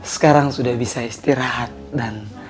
sekarang sudah bisa istirahat dan